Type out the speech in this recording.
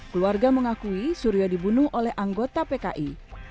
keluarga mengakui suryo dibunuh oleh anggota pki